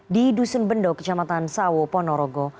di dusun bendo kecamatan sawo ponorogo